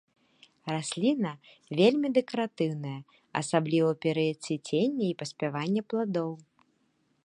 Расліна вельмі дэкаратыўная, асабліва ў перыяд цвіцення і паспявання пладоў.